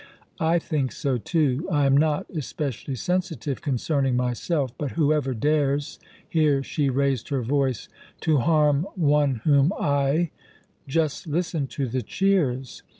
I think so, too. I am not especially sensitive concerning myself, but whoever dares" here she raised her voice "to harm one whom I Just listen to the cheers!